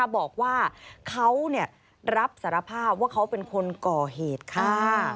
บอกว่าเขารับสารภาพว่าเขาเป็นคนก่อเหตุฆ่า